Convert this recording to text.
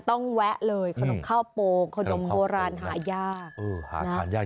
ต้องแวะเลยขนมข้าวโปรงขนมโบราณหายาก